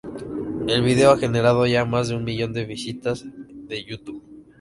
El vídeo ha generado ya más de un millón de visitas de Youtube.